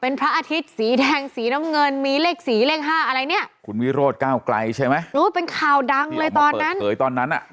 พระอาทิตย์สีแดงสีน้ำเงินมีเลขสีเลขห้าอะไรเนี้ยคุณวิโรธก้าวไกลใช่ไหมรู้เป็นข่าวดังเลยตอนนั้นเผยตอนนั้นอ่ะ